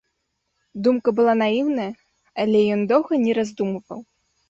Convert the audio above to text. Думка была наіўная, але ён доўга не раздумваў.